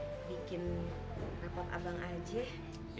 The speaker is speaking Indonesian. lu jadi bikin rapat abang aja